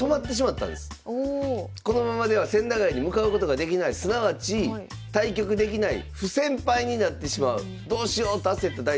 このままでは千駄ヶ谷に向かうことができないすなわち対局できない不戦敗になってしまうどうしようと焦った大地先生